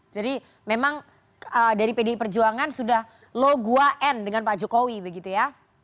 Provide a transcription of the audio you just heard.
jadi memang dari pdi perjuangan sudah lu gua end dengan pak jokowi begitu ya